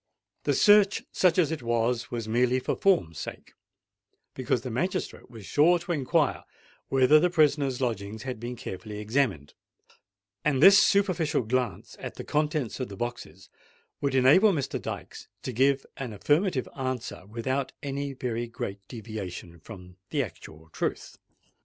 The search, such as it was, was merely for form's sake; because the magistrate was sure to inquire whether the prisoner's lodgings had been carefully examined; and this superficial glance at the contents of the boxes would enable Mr. Dykes to give an affirmative answer without any very great deviation from the actual truth.